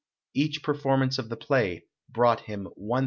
Each per formance of the play brought him $1,212.